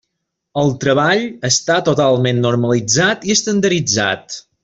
El treball està totalment normalitzat i estandarditzat.